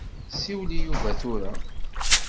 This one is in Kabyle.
Siwel i Yuba tura.